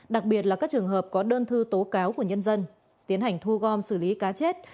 đặc biệt là các trường hợp có đơn thư tố cáo của nhân dân tiến hành thu gom xử lý cá chết